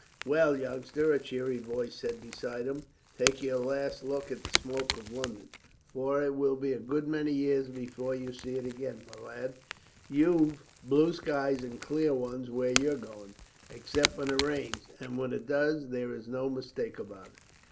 "Well, youngster," a cheery voice said beside him, "take your last look at the smoke of London, for it will be a good many years before you see it again, my lad. You've blue skies and clear ones where you're going, except when it rains, and when it does there is no mistake about it."